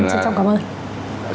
xin được trân trọng cảm ơn